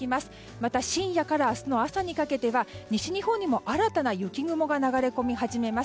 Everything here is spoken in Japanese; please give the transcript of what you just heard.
また深夜から明日に朝にかけては西日本でも、新たな雪雲が流れ込み始めます。